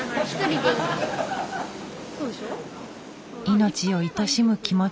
命をいとしむ気持ち。